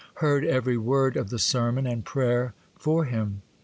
—heard every word of the sermon and prayer for him?